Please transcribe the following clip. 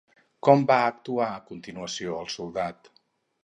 Com va actuar a continuació el soldat?